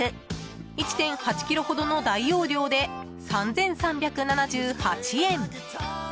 １．８ｋｇほどの大容量で３３７８円。